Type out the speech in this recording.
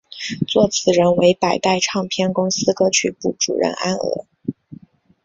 作词人为百代唱片公司歌曲部主任安娥。